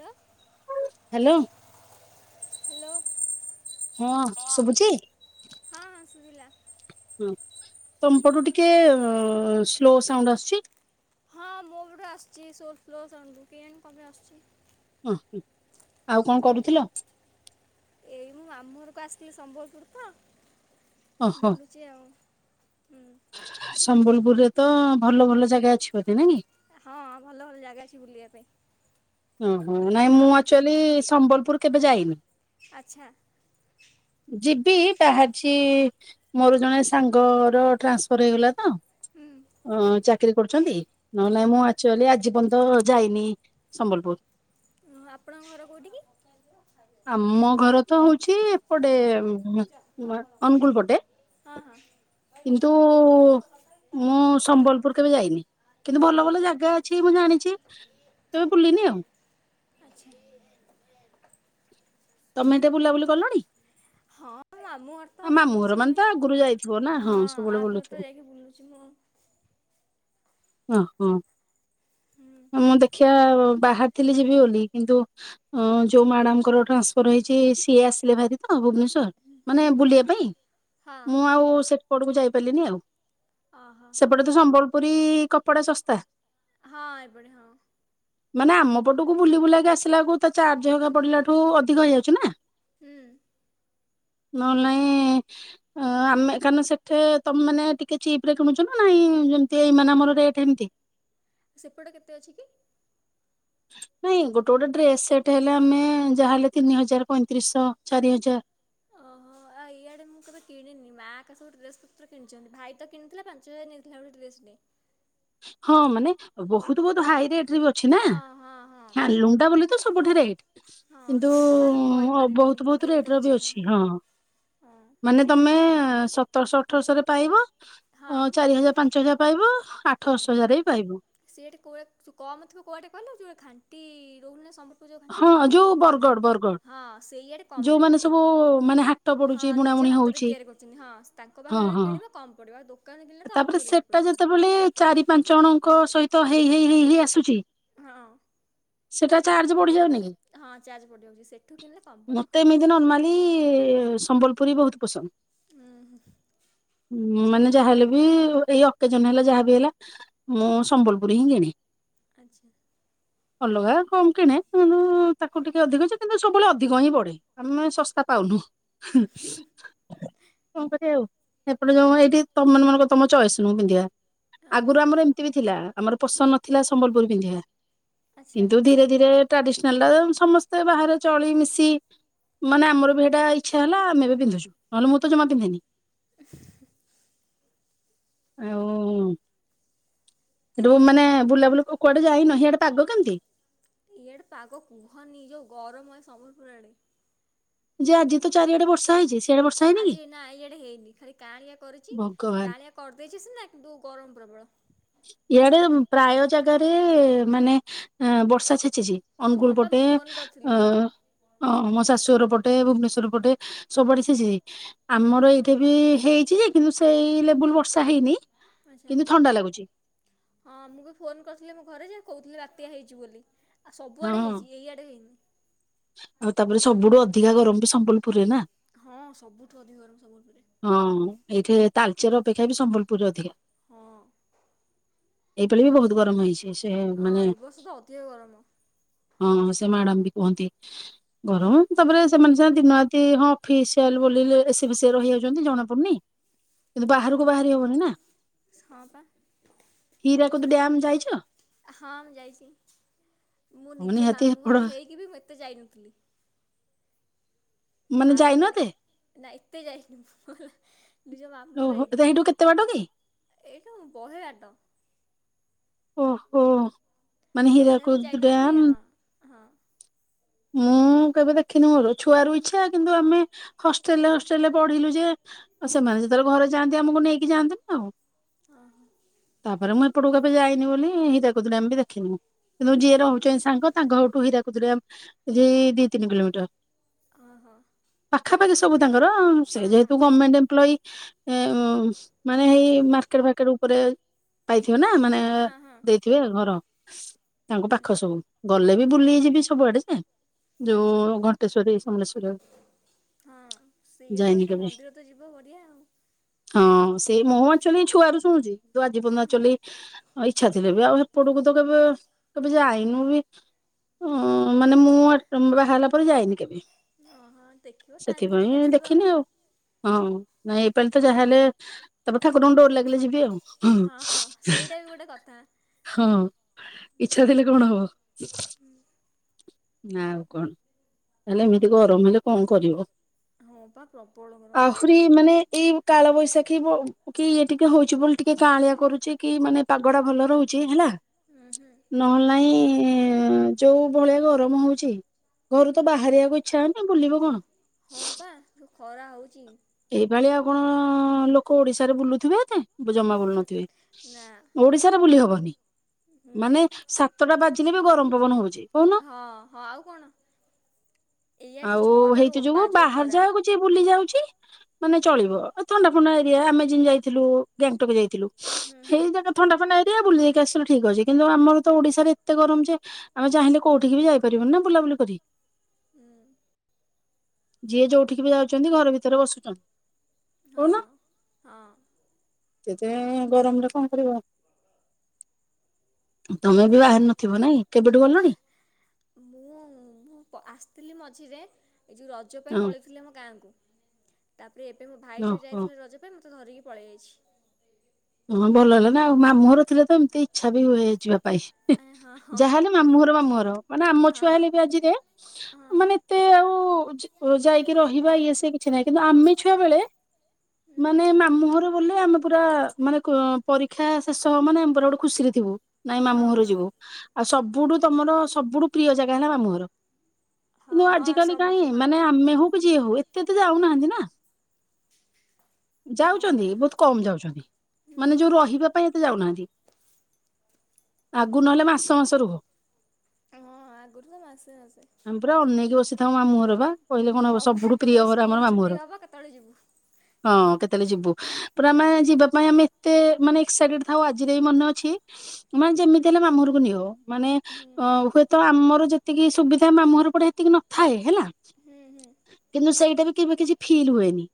ଲୋ hello. Hello. ହଁ ହଁ ଶୁଭୁଛି ହଁ ଶୁଭିଲା। ହୁଁ ତମ ପଟୁ ଟିକେ ସ୍ଲୋ ସାଉଣ୍ଡ ଆସୁଚି। ହଁ ମୋ ପଟୁ ଆସିଛି ସ୍ଲୋ ସାଉଣ୍ଡ କେଜାଣି କଣ ପାଇଁ ଆସୁଚି। ଆଉ କଣ କରୁଥିଲ? ଏଇ ମୋ ମାମୁଁ ଘରକୁ ଆସିଥିଲି ସମ୍ବଲପୁର ତ। ଓହୋ ବୁଲୁଚି ଆଉ ହୁଁ। ସମ୍ବଲପୁରରେ ତ ଭଲ ଭଲ ଜାଗା ଅଛିି ବଧେ ନାଇଁ କି? ହଁ ଭଲ ଭଲ ଜାଗା ଅଛି ବୁଲିବା ପାଇଁ। ଉଁ ହୁଁ ନାଇଁ ଆପ ମୁଁ ଆକ୍ଚୁଆଲି ସମ୍ବଲପୁର କେବେ ଯାଇନି। ଆଚ୍ଛା। ଯିବି ବାହାରିଛି ମୋର ଜଣେ ସାଙ୍ଗର ଟ୍ରାନ୍ସଫର ହେଇଗଲା ତ ହୁଁ ଅ ଚାକିରୀ କରୁଛନ୍ତି। ନହେଲେ ଆଜ୍ଞା ନାଇଁ ମୁଁ ଆକ୍ଚୁଆଲି ଆଜି ପର୍ଯ୍ୟନ୍ତ ଯାଇନି ସମ୍ବଲପୁର। ଉଁ ଆପଣଙ୍କ ଘର କୋଉଠି କି? ଆମ ଘର ତ ହଉଛି ଏପଟେ ଉଁ ହୁଁ ନା ଅନୁଗୁଳ ପଟେ। ହଁ ହଁ। କିନ୍ତୁ ମୁଁ ସମ୍ବଲପୁର କେବେ ଯାଇନି। କିନ୍ତୁ ଭଲ ହୁଁ, ଭଲ ଜାଗା ଅଛି ମୁଁ ଜାଣିଛି କେବେ ବୁଲିନି ଆଉ। ଆଚ୍ଛା ତମେ ଏତେ ବୁଲାବୁଲି କଲଣି? ହଁ ମାମୁଁ ଘର ତ ଆ ମାମୁଁ ଘର ବୁଲୁଛି ମାନେ ତ ଆଗରୁ ଯାଇଥିବ ନା ଆ ହଁ ସବୁବେଳେ ଆଗରୁ ବୁଲୁଥିବ ତ ଯାଇକି ବୁଲୁଛି ମୁଁ। ଓ ହୋ। ହୁଁ। ଖିଆ ଅ ବାହାରିଥିଲି ଯିବି ବୋଲି କିନ୍ତୁ ହଁ ଯୋଉ ମ୍ୟାଡ଼ାମଙ୍କର ଟ୍ରାନ୍ସଫର୍ ହେଇଛି ସିଏ ଆସିଲେ ଭାରି ତ ଭୁବନେଶ୍ଵର। ହୁଁ ମାନେ ବୁଲିବା ପାଇଁ। ହଁ ମୁଁ ଆଉ ସେପଟକୁ ଯାଇପାରିଲିନି ଆଉ ଓହୋ ସେପଟେ ତ ସମ୍ବଲପୁରୀ କପଡ଼ା ଶସ୍ତା। ହଁ ଏପଟେ ହଁ। ମାନେ ଆମ ପଟକୁ ବୁଲି ବୁଲାକି ଆସିଲା ବେଳକୁ ତା ଚାର୍ଜ ହେରିକା ପଡ଼ିଲା ଠୁ ଅଧିକ ହେଇଯାଉଛି ନା। ହୁଁ। ନହେଲେ ନାଇଁ ଅଁ ଆମେ କାରଣ ସେଠେ ତମେ ମାନେ ଟିକେ ଚିପ ରେ କିଣୁଛ ନା ନାଇଁ ଯେମିତି ଏଇ ମାନେ ଆମର ରେ କେମିତି? ସେପଟେ କେତେ ଅଛି କି? ନାଇଁ ଗୋଟେ ଗୋଟେ ଡ୍ରେସ ସେଟ ହେଲେ ଆମେ ଯାହାହେଲେ ତିନି ହଜାର ପଇଁତିରିଶଶହ ଚାରି ହଜାର। ଓହୋ। ଅ ଇଆଡ଼େ ମୁଁ କେବେ କିଣିନି ମାଆ ହେରିକା ସବୁ ଡ୍ରେସ ପତ୍ର କିଣିଛନ୍ତି ଭାଇ ତ କିଣିଥିଲା ପାଞ୍ଚ ହଜାର ନେଇଥିଲା ଗୋଟେ ଡ୍ରେସଟେ। ହଁ ମାନେ ବୋହୁତ ବୋହୁତ ହାଇ ରେଟ୍ ରେ ବି ଅ ଛି ନା ହଁ ହଁ ହଁ ହ୍ୟାଣ୍ଡ ଲୁମ୍ ଟା ବୋଲି ତ ସବୁଠି ରେଟ୍। ହଁ କିନ୍ତୁ ସେଇଟା ତାହେଲେ ମୁଁ ମୋ କହିପାରିବିନି ବୋହୁତ ବୋହୁତ ରେଟ୍ ରେଟ ର ବି କି ନାହିଁ। ଅଛି। ହଁ। ମାନେ ତମେ ସତରଶହ ଅଠରଶହରେ ପାଇବ ହଁ ଅଁ ଚାରି ହଜାର ପାଞ୍ଚ ହଜାର ପାଇବ ଆଠ ଦଶ ହଜାର ରେ ବି ପାଇବ। ସେଟ କୋଉଆଡ଼େ ମୁଁ କମଥିବ କୋଉ ଆଡ଼େ କହିଲ ଯୋଉ ଏ ଖାଣ୍ଟି ଦୋଉ ନାହାନ୍ତି ସମ୍ବ ତୁ ଯୋଉ ହଁ ଖାଣ୍ଟି ଯୋଉ ସମ୍ବଲପୁରିଆ ବରଗଡ଼ ବରଗଡ଼ ହଁ ସେଇଆଡ଼େ କମ ଯୋଉମାନେ ମିଳିବ। ସବୁ ମାନେ ହାଟ ପଡୁଛି ହଁ ନିଜ ବୁଣାବୁଣି ହାତରେ ହଉଛି ତିଆରି କରୁଛନ୍ତି ହଁ ତାଙ୍କ ହଁ ପାଖରେ ହଁ କିଣିବ କମ ପଡ଼ିବ ଆଉ ଦୋକାନରେ କିଣିଲେ ତ ତାପରେ ଅଧିକ ରେ ସେଟା ଯେତେବେଳେ ଚାରି ପାଞ୍ଚ ଜଣଙ୍କ ସହିତ ହେଇ ହେଇ ହେଇ ହେଇ ଆସୁଛି। ହଁ। ସେଟା ଚାର୍ଜ ପଡ଼ି ଯାଉନି କି? ହଁ ଚାର୍ଜ ପଡ଼ିଯାଉଛି ସେଠୁ କିଣିଲେ କମ ପଡ଼ିବ। ନେଇ ନର୍ମାଲି ସମ୍ବଲପୁରୀ ବୋହୁତ ପସନ୍ଦ। ଉଁ ହୁଁ। ହୁଁ ମାନେ ଯାହାହେଲେ ବି ଏଇ ଅକେଜନ ହେଲା ଯାହାବି ହେଲା ମୁଁ ସମ୍ବଲପୁରୀ ହିଁ କିଣେ। ଆଚ୍ଛା। ଅଲଗା କମ କିଣେ ତାକୁ ଟିକେ ଅଧିକ ଅଛି କିନ୍ତୁ ସବୁବେଳେ ଅଧିକ ହିଁ ପଡେ। ଆମେ ଶସ୍ତା ପାଉନୁ। ହୁଁ। କଣ କରିବା ଆଉ ଏପଟେ ଯୋଉ ଏଇଠି ତମ ମାନ ତମ ଚଏସ୍ ନୁଁ ପିନ୍ଧିବା। ହଁ ଆଗରୁ ଆମର ଏମିତି ବି ଥିଲା ଆମର ପସନ୍ଦ ନଥିଲା ସମ୍ବଲପୁର ପିନ୍ଧିବା। ଆଚ୍ଛା କିନ୍ତୁ ଧୀରେ ଧୀରେ ଟ୍ରାଡିସନାଲ ଟା ସମସ୍ତେ ବାହାରେ ଚଳି ମିଶି ମାନେ ଆମର ଏଇଟା ଇଚ୍ଛା ହେଲା ଆମେ ବି ପିନ୍ଧୁ ନହେଲେ ମୁଁ ତ ଜମା ପିନ୍ଧିନି। [unintelligible] ଆଉ ରୁଅ ମାନେ ବୁଲାବୁଲି କୁଆଡେ ଯାଇନ ହିଆଡେ ପାଗ କେମିତି? ଇଆଡେ ପାଗ କୁହନି ଯଉ ଗରମ ସମ୍ବଲପୁର ଆଡେ। ଯେ ଆଜି ତ ଚାରିଆଡେ ବର୍ଷା ହେଇଛି। ସିଆଡେ ବର୍ଷା ହେଇନି କି ଆଜି ନା ଇଆଡେ ହେଇନି ଖାଲି କାଁଳିଆ କରୁଛି ଭଗବାନ କାଁଳିଆ କରିଦେଇଛି ସିନା କିନ୍ତୁ ଗରମ ପ୍ରବଳ ଇଆଡେ ପ୍ରାୟ ଜାଗାରେ ମାନେ ବର୍ଷା ଛେଚିଛି। ହଁ ଅନୁଗୁଳ ପା ମୁଁ ପଟେ ଫୋନ୍ କରିଥିଲି ଅ ହଁ ଓହ ମୋ ଶାଶୁର ପଟେ ଭୁବନେଶ୍ୱର ପଟେ ସବୁଆଡେ ଛିଞ୍ଚି ଆମର ଏଇଠି ବି ହେଇଛି ଯେ କିନ୍ତୁ ସେଇ ଲେବୁଲ ବର୍ଷା ହେଇନି ଆଚ୍ଛା କିନ୍ତୁ ଥଣ୍ଡା ଲାଗୁଛି। ହଁ ମୁଁ ବି ଫୋନ୍ କରିଥିଲି ମୋ ଘରେ ଯେ କହୁଥିଲି ବାତ୍ୟା ହେଇଛି ବୋଲି ଆ ହଁ ସବୁଆଡ଼େ ହେଇଛି ଏଇଆଡ଼େ ହେଇନି। ଆଉ ତାପରେ ସବୁଠୁ ଅଧିକା ଗରମ ବି ସମ୍ବଲପୁରରେ ନା। ହଁ ସବୁଠୁ ଅଧିକ ଗରମ ସମ୍ବଲପୁରୁରେ। ହଁ ଏଇଠି ତାଲଚେର ଅପେକ୍ଷା ବି ସମ୍ବଲପୁରରେ ଅଧିକା। ହଁ। ଏଇପାଳି ବି ବହୁତ ଗରମ ହେଇଛି। ସେ ହଁ ମାନେ ଏ ବର୍ଷୁ ତ ଅଧିକ ଗରମ ହଁ ସେ ମ୍ୟାଡାମ ବି କୁହନ୍ତି ଗରମ ତାପରେ ହୁଁ ସେମାନେ ସେ ଦିନରାତି ହଁ। ଫେସିଆଲ ବ ଏ ସି ଫସି ରହି ଯାଉଛନ୍ତି ଜଣାପଡୁନି। କିନ୍ତୁ ବାହାରକୁ ବାହାରି ହଁ ହବନି ନା ହଁ ପା ହୀରା କୁଦ୍ ଡ୍ୟାମ ଯାଇଛ? ହଁ ମୁଁ ଯାଇଛି ମୁଁ ହଁ ନିଜ ନିହାତି ମାମୁଁ ହେପଟ ଘର ହେଇକି ବି ମୁଁ ଏତେ ଯାଇନଥିଲି। ମାନେ ଯାଇନ ଆରପାଳି ଏତେ ନାଇ ଏତେ ଯାଇନି [unintelligible] ନିଜ ମାମୁଁ ଘର ଓହୋ ହେଇକି ସେଇଠୁ କେତେ ବାଟ କି? ଏଇଠୁ ବହେବାଟ। ଓହୋ ମାନେ ତଥାପି ମୁଁ ହିରାକୁଦ ଯାଇନଥିଲି ଡ୍ୟାମ୍ ହଁ ହଁ। ମୁଁ କେବେ ଦେଖିନି ମୋର ଛୁଆ ର ଇଚ୍ଛା କିନ୍ତୁ ଆମେ ହଷ୍ଟେଲରେ ହଷ୍ଟେଲରେ ପଢିଲୁ ଯେ ଆଉ ସେମାନେ ଯେତେବେଳେ ଘରେ ଯାଆନ୍ତି ଆମକୁ ନେଇକି ଯାଆନ୍ତିନ ଆଉ। ଓ ହୋ। ତାପରେ ମୁଁ ହେପଟକୁ କେବେ ଯାଇନି ବୋଲି ହିରକୁଦ୍ ଡ୍ୟାମ ବି ଦେଖିନି ମୁଁ। କିନ୍ତୁ ହଁ ଯିଏ ରହୁଛନ୍ତି ସାଙ୍ଗ ତାଙ୍କ ଘରଠୁ ହୀରାକୁଦ ଡ୍ୟାମ ଦି ତିନି କିଲୋମିଟର। ଓ ହୋ। ପାଖାପାଖି ସବୁ ତାଙ୍କର ସେ ହଁ ଯେହେତୁ ଗମେଣ୍ଟ ଏମପ୍ଲୋଇ ଏ ମାନେ ହେଇ ମାର୍କେଟ ଫାର୍କେଟ ଉପରେ ପାଇଥିବେ ନା ମାନେ ହଁ ହଁ। ଥିବେ ଘର ତାଙ୍କ ହୁଁ ପାଖ ସବୁ ଗଲେ ବି ବୁଲି ଯିବି ସବୁଆଡେ ଯେ ଆଚ୍ଛା ଯୋଉ ଘଣ୍ଟେଶ୍ଵରୀ ଏଇ ସମଲେଶ୍ଵର ହଁ ସେଇଆ ତ ସେ କେବେ ମନ୍ଦିର ତ ଯିବ ବଢିଆ ଆଉ। ହଁ ସେ ମୁଁ ଆକଚୁଆଲି ଛୁଆରୁ ଶୁଣୁଚି, ତୁ ଆଜି ପର୍ଯ୍ୟନ୍ତ ଆକଚୁଆଲି ଆଉ ଇଚ୍ଛା ଥିଲେ ବି ଆଉ ହେପଟକୁ ତ କେବେ କେବେ ଯାଇନୁ ବି। ଅ [inaudible] ମାନେ ମୁଁ ଆଡ୍ ବାହା ହେଲା ପରେ ଯାଇନି କେବେ। ଓହଁ ଦେଖିବ ଟାଇମ୍ ଦେଖିକି ସେଥିପାଇଁ ଆସିବ ଦେଖିନି ଆଉ, ହଁ। ନାଇଁ ଏଇପାଳି ତ ଯାହା ହେଲେ, ତାପରେ ଠାକୁରଙ୍କ ଡୋର ଲାଗିଲେ ଯିବି ଆଉ। ହଁ ହଁ ସେଇଟା ବି ଗୋଟେ କଥା। ହଁ। ଇଚ୍ଛା ଥିଲେ କଣ ହବ। ହୁଁ। ନା ଆଉ କଣ, ତାହେଲେ ଏମିତି ଗରମ ହେଲେ କଁ କରିବ। ହଁ ପା ପ୍ରବଳ ଗରମ। ପୁରି ମାନେ ଏଇ କାଳବୈଶାଖୀ ବୋ କି ଇଏ ଟିକେ ହଉଚି ବୋଲି ଟିକେ କାଁଳିଆ କରୁଚି କି ମାନେ ପାଗ ଟା ଭଲ ରହୁଚି ହେଲା। ଉଁ ହୁଁ। ନହେଲେ ନାଇଁ ଯୋଉ ଭଳିଆ ଗରମ ହଉଚି। ଘରୁ ତ ହଁ ପା ବାହାରିଆକୁ ଇଚ୍ଛା ହଉନି ବୁଲିବ କଣ। ଯୋଉ ଖରା ହଉଚି। ଏଇ ପାଳି ଆଉ କଣ ଲୋକ ଓଡିଶାରେ ବୁଲୁଥିବେ ଏତେ। ବୁ ଜମା ବୁଲୁ ନଥିବେ, ନା ଓଡିଶାରେ ବୁଲି ହବନି ହୁଁ ମାନେ ସା ସାତଟା ବାଜିଲେ ବି ଗରମ ପବନ ହଉଚି। କହୁନ ହଁ ହଁ ଆଉ କଣ ଏଇଆଡ଼େ ତ ଆଉ ଛଅଟାରୁ ହେଇତି ଜୋଗୁ ଓପା ଯୋଉ ବାହାର ଖରା ଜାଗାକୁ। କିଏ ବୁଲି ଯାଉଚି। ମାନେ ହୁଁ ଚଳିବ ଆଉ ଥଣ୍ଡା ଫଣ୍ଡା ଏରିଆ ଆମେ ଯେନ୍ତି ଯାଇଥିଲୁ ଗ୍ୟାଙ୍ଗଟକ ଯାଇଥିଲୁ ହୁଁ ହୁଁ ସେଇତିଆ ଜାଗା। ଥଣ୍ଡା ଫଣ୍ଡା ଏରିଆ ବୁଲି ଦେଇକି ଆସିଲୁ ଠିକ୍ ଅଛି, କିନ୍ତୁ ଆମର ତ ଓଡିଶାରେ ଏତେ ଗରମ ଯେ। ଆମେ ଚାହିଁଲେ କୋଉଠିକି ବି ଯାଇ ପାରିବୁନି ନା ବୁଲାବୁଲି କରି। ଉଁ। ଯିଏ ଯୋଉଠିକି ବି ଯାଉଚନ୍ତି ଘର ଭିତରେ ବସୁଚନ୍ତି। ହଁ ହଁ। ଏତେ ଗରମରେ କଁ କରିବ। ତମେ ବି ତ ବାହାରି ନଥିବ ନାଇଁ କେବେଠୁ ଗଲଣି? ମୁଁ ମୁଁ ଆସିଥିଲି ମଝିରେ ଏ ଯୋଉ ରଜ ପାଇଁ ହଁ ପଳେଇ ଥିଲି ଆମ ଗାଁକୁ। ତାପରେ ଏବେ ମୋ ଭାଇ ଯୋଉ ଓହୋ ଯାଇଥିଲେ ରଜ ପାଇଁ ମୋତେ ଧରିକି ପଳେଇ ଆଇଚି। ହୁଁ ଭଲ ହେଲା ନା ଆଉ, ମାମୁଁଘର ଥିଲେ ତ ଏମିତି ଇଚ୍ଛା ବି ହୁଏ ଯିବା ପାଇଁ। ଆଁ ହଁ ହଁ ଯାହା ହେଲେ ମାମୁଁଘର ମାମୁଁଘର, ମାନେ ଆମ ହଁ ଛୁଆ ହେଲେ ବି ଆଜିରେ ହଁ ମାନେ। ଏତେ ଆଉ ଓ ଯା ‌ଓ ଯାଇକି ରହିବା ଇଏ ସିଏ କିଛି ନାହିଁ, କିନ୍ତୁ ଆମେ ଛୁଆ ବେଳେ। ହୁଁ ମାନେ ମାମୁଁ ଘର ବୋଲି ଆମେ ପୁରା। ମାନେ କ ପରୀକ୍ଷା ଶେଷ ହବ ମାନେ ଆମେ ପୁରା ଗୋଟେ ଖୁସିରେ ଥିବୁ, ନାଇଁ ହଁ ମାମୁଁଘର ହଁ ଯିବୁ। ଆଉ ସବୁଠୁ ତମର ସବୁଠୁ ପ୍ରିୟ ଜାଗା ହେଲା ମାମୁଁଘର। କିନ୍ତୁ ହଁ ହଁ ଆଜିକାଲି କାହିଁ ସମୁଛୁ ହଁ ମାନେ ଆମେ ହଉ କି ଯିଏ ହଉ ଏତେ ତ ଯାଉନାହାନ୍ତି ନା। ହଁ ବା ଯାଉଚନ୍ତି ବହୁତ କମ୍ ଯାଉଚନ୍ତି ହୁଁ ମାନେ ଯୋଉ ରହିବା। ପାଇଁ ଏତେ ଯାଉ ନାହାନ୍ତି, ଆଗୁରୁ ନହେଲେ ମାସ ମାସ ରୁହ। ହଁ ଆଗରୁ ତ ମାସେ ମାସେ। ଆମେ ପୁରା ଅନେଇକି ବସିଥାଉ ମାମୁଁଘର ବା କହିଲେ କଣ ହବ ହଁ ପା ସବୁଠୁ ପ୍ରିୟ କେତେବେଳେ ଘର ସ୍କୁଲ ଆମର ଛୁଟି ମାମୁଁଘର। ହବ କେତେବେଳେ ଯିବୁ ହଁ କେତେବେଳେ ଯିବୁ ପୁରା ଆମେ ଯିବା। ପାଇଁ ଆମେ ଏତେ ମାନେ ଏକ୍ସାଇଟେଡ ଥାଉ ଆଜି ଯାଏ ମନେ ଅଛି। ମାନେ ଯେମିତି ହେଲେ ମାମଁଘରକୁ ନିଅ ମାନେ ହୁଁ ଅ ହୁଏତ ଆମର ଯେତିକି ସୁବିଧା ମାମୁୁଁଘର ପଟେ ହେତିକି ନଥାଏ ହେଲା ହୁଁ ହୁଁ କିନ୍ତୁ ସେଇଟା ବି କେବେ କିଛି ଫିଲ୍ ହୁଏନି।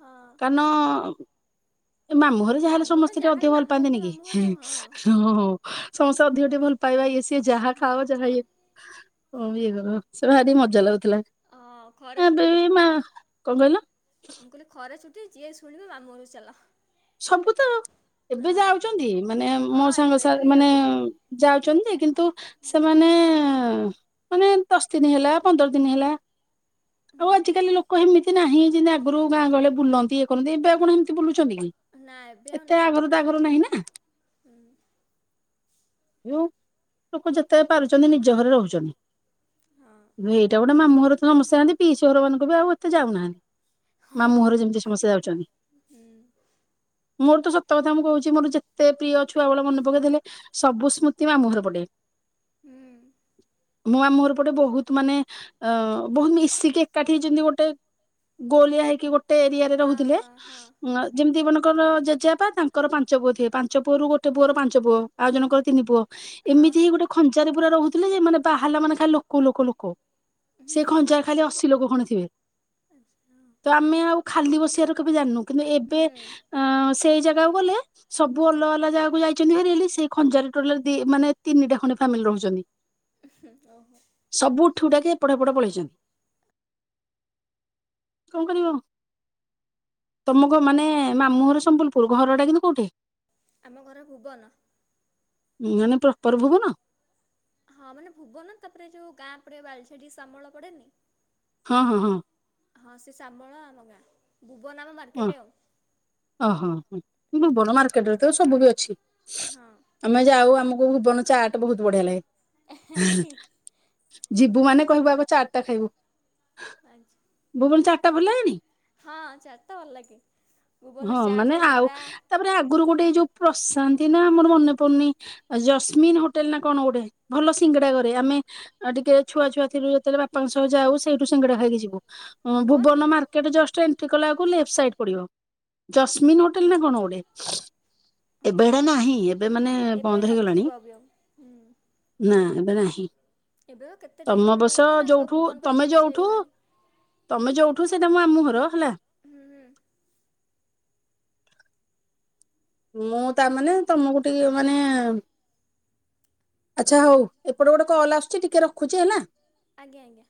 ହଁ କାରଣ ଏ ମାମୁଁ ଘରେ ଯାହା ହେଲେ ମାମୁଁ ଘର ସମସ୍ତେ ଟିକେ ଅଧିକ ଯାହାହେଲେ ଭଲ ମାମୁଁ ଘର ତ ପାଆନ୍ତିନି କି ମାମୁଁ ଘର ହିଁ ଆଉ ହଁ ହଁ ସମସ୍ତେ ଅଧିକ ଟିକେ ଭଲ। ପାଇବା ଇଏ ସିଏ ଯାହା ହଁ ଖାଅ ଯାହ ହଁ ଇଏ ହ ଏ କର ସେ ଭାରି ମଜା ଲାଗୁଥିଲା। ହଁ ଖରା ଛୁଟି ଏଵେବି ମା କଣ କହିଲ? ମୁଁ କହିଲି ଖରା ଛୁଟି ଯିଏ ଶୁଣିବ ମାମୁଁଘରକୁ ଚାଲ। ସବୁ ତ। ଏବେ ହଁ। ଯାଉଛନ୍ତି ମାନେ ହଁ ମୋ ଏବେ ସାଙ୍ଗ ସା ଏବେ ବି ମାନେ ଯାଉଛନ୍ତି ଯାଉଛନ୍ତି ଯେ କିନ୍ତୁ ସେମାନେ ମାନେ ଦଶ ଦିନ ହେଲା ପନ୍ଦର ଦିନ ହେଲା ହୁଁ ଆଉ ଆଜିିକାଲି ଲୋକ କ ଏମିତି ନାହିଁ ଯେମିତି ଆଗରୁ ଗାଁ ଗହଳୀରେ ବୁଲନ୍ତି ଇଏ କରନ୍ତି ଏବେ ଆଉ କଣ ଏମିତି ବୁଲୁଛନ୍ତି କି। ନାଇଁ। ଏତେ ଆଘରୁ ତାଘରୁ ନାହିଁ ନା। ହୁଁ। ଲୋକ ଯେତେ ପାରୁଛନ୍ତି ନିଜ ଘରେ ରହୁଛନ୍ତି। ହଁ। ନୁଁ ହେଇଟା ଗୋଟେ ମାମୁଁଘର ତ ସମସ୍ତେ ଯାଆନ୍ତି ପିଇସ ଘର ମାନଙ୍କୁ ବି ଆଉ ଏତେ ଯାଉନାହାନ୍ତି। ହଁ ମାମୁଁଘର ଯେମିତି ସମସ୍ତେ ଯାଉଛନ୍ତି। ହୁଁ ମୋର ତ ସତ କଥା ମୁଁ କହୁଛି ମୋର ଯେତେ ପ୍ରିୟ ଛୁଆବେଳ ମନେ ପକେଇଦେଲେ ସବୁ ସ୍ମୃତି ମାମୁଁଘର ପଟେ। ହୁଁ। ମୋ ମାମୁଁଘର ପଟେ ବହୁତ ମାନେ ବହୁତ ଏଁ ମିଶିକି ଏକାଠି ହେଇଛନ୍ତି ଗୋଟେ। ଗୋଲିଆ ହେଇକି ଗୋଟେ ଏରିଆରେ ହଁ ରହୁଥିଲେ ହଁ ହଁ ହଁ ଯେମିତି ମନେ ଙ୍କର ଜେଜେବାପା ତାଙ୍କର ପାଞ୍ଚ ପୁଅ ଥିଏ ପାଞ୍ଚ ପୁଅରୁ ଗୋଟେ ପୁଅର ପାଞ୍ଚ ପୁଅ ଆଉ ଜଣଙ୍କର ତିନି ପୁଅ। ହଁ ଏମିତି ହିଁ ଗୋଟେ ଖଞ୍ଚାରେ ପୁରା ରହୁଥିଲେ ଯେ ମାନେ ବାହାରିଲା ମାନେ ଖାଲି ଲୋକ ଲୋକ ଲୋକ। ସେ ଖଞ୍ଚା ଖାଲି ଅଶୀ ଲୋକ ଖଣ୍ଡେ ଥିବେ। ଆଚ୍ଛା। ତ ଆମେ ଆଉ ଖାଲି ବସିବାର କେବେ ଜାଣିନୁ କିନ୍ତୁ ଏବେ ହୁଁ ଆଁ ସେଇ ଜାଗାକୁ ଗଲେ ସବୁ ଅଲଗା ଅଲଗା ଜାଗାକୁ ଯାଇଛନ୍ତି ଭାରି ହେଲେ ସେ ଖଞ୍ଜାରେ ଟୋଟାଲ ମାନେ ତିନିଟା ଖଣ୍ଡେ ଫାମିଲି ରହୁଛନ୍ତି। ଓହୋ। ସବୁ ଉଠି ଉଠା କି ଏପଟ ହେପଟ ପଳେଇଛନ୍ତି। କଣ କରିବ। ତମକୁ ମାନେ ମାମୁଁ ଘର ସମ୍ବଲପୁର ଘର ଟା କିନ୍ତୁ କୋଉଠେ? ଆମ ଘର ଭୁବନ। ମାନେ ପ୍ରପର ଭୂବନ? ହଁ ମାନେ ଭୁବନ ତାପରେ ଯୋଉ ଗାଁ ପଡେ ବାଲଝାଟି ଶାମଳ ପଡେନି। ହଁ ହଁ ହଁ। ହଁ ସେ ସାମଳ ଆମ ଗାଁ। ଭୁବନ ଆମ ମାର୍ ଓ ଓହୋ ହ ଭୁବନ ମାର୍କେଟରେ ତ ସବୁ ବି ଅଛି। ହଁ। ଆମେ ଯାଉ ଆମକୁ ଭୁବନ ଚାଟ ବହୁତ ବଢିଆ ଲାଗେ। ହଁ କି? ଯିବୁ ମାନେ କହିବୁ ଆଗ ଚାଟ ଟା ଖାଇବୁ। ଆଚ୍ ଭୁବନ ଚାଟ୍ ଟା ଭଲଲାଗେନି? ହଁ ଚାଟ୍ ତ ଭଲ ଲାଗେ ଭୁବନ ହଁ ମାନେ ଚାଟେ ଆଉ ବରା। ତାପରେ ଆଗୁରୁ ଗୋଟେ ଏ ଯୋଉ ପ୍ରଶାନ୍ତି ନା ଆମର ମନେ ପଡ଼ୁନେଇ ଅ ଜସ୍ମିନ ହୋଟେଲ୍ ନା କଣ ଗୋଟେ? ଭଲ ସିଙ୍ଗଡ଼ା କରେ। ଆମେ ଆଉ ଟିକେ ଛୁଆ ଛୁଆ ଥିଲୁ ଯେତଳେ ବାପାଙ୍କ ସହ ଯାଉ। ସେଇଠୁ ସାଙ୍ଗଡ଼ା ଖାଇକି ଯିବୁ। ଅଁ ଭୁବନରୁ ଭୁବନ ମାର୍କେଟ ଜଷ୍ଟ ଏଣ୍ଟ୍ରି କଲାଅକୁ ଲେପ ସାଇଟ୍ ପଡ଼ିବ। ଜସ୍ମିନ ହୋଟେଲ ନାଁ କଣ ଗୋଟେ। ଏବେ ହେରା ନାହିଁ। ଏବେ ମାନେ ଏବେ ବନ୍ଦ ହେଇଗଲାଣି। ନଥିବ ବି ଆଉ। ହୁଁ ନାଁ ଏବେ ନାହିଁ। ଏବେ ତ କେତେ ତମ ଡେଭଲପମେଣ୍ଟ ବସ ହେଲାଣି ନା ସବୁ ଯୋଉଠୁ, ଭୁବନ ପା ତମେ ଚେଞ୍ଜ ଯଉଠୁ ହେଇଗଲାଣି। ତମେ ଯୋଉଠୁ, ସେଟା ମୋ ମାମୁଁ ଘର ହେଲା। ହୁଁ, ହୁଁ। ମୁଁ ତାମାନେ ତମୁକୁ ଟିକେ ମାନେ ଆଚ୍ଛା ହଉ। ଏପଟେ ଗୋଟେ କଲ୍ ଆସୁଚି। ଟିକେ ରଖୁଚି ହେଲା। ଆଜ୍ଞା, ଆଜ୍ଞା।